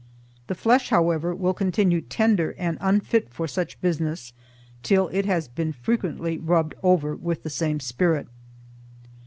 The flesh, however, will continue tender and unfit for such business till it has been frequently rubbed over with the same spirit.